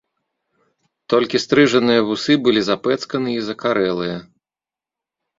Толькі стрыжаныя вусы былі запэцканы і закарэлыя.